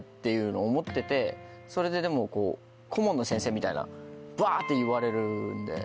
それででも顧問の先生みたいなバって言われるんで。